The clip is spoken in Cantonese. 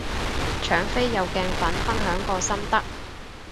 搶飛有鏡粉分享過心得